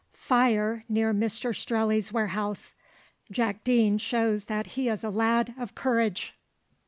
FIRE NEAR MR STRELLEY'S WAREHOUSE JACK DEANE SHOWS THAT HE IS A LAD OF COURAGE.